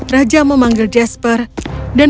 raja memanggil jasper dan